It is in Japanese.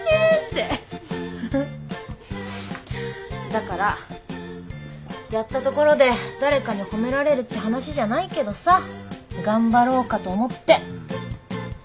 だからやったところで誰かに褒められるって話じゃないけどさ頑張ろうかと思って。